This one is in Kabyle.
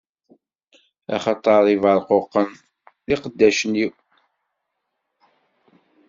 Axaṭer Ibeṛquqen d iqeddacen-iw.